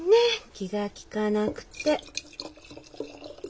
気が利かなくて。